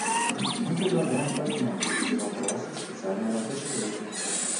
Мы предлагаем поднять эти вопросы в Специальной рабочей группе.